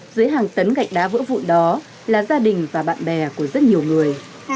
dưới hàng tấn gạch đá vỡ vụn đó là gia đình và bạn bè của rất nhiều người